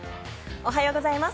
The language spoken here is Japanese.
おはようございます。